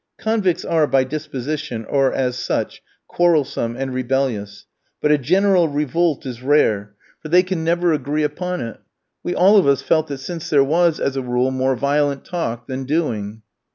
Convicts are, by disposition, or, as such, quarrelsome and rebellious; but a general revolt is rare, for they can never agree upon it; we all of us felt that since there was, as a rule, more violent talk than doing.